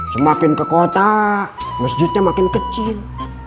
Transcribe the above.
semakin ke kota masjidnya makin kecil